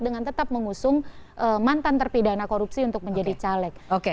dengan tetap mengusung mantan terpidana korupsi untuk menjadi caleg